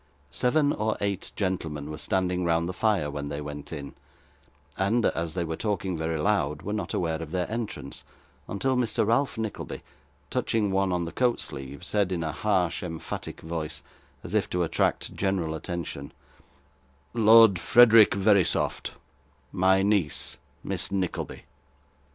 Seven or eight gentlemen were standing round the fire when they went in, and, as they were talking very loud, were not aware of their entrance until Mr. Ralph Nickleby, touching one on the coat sleeve, said in a harsh emphatic voice, as if to attract general attention 'Lord Frederick Verisopht, my niece, Miss Nickleby.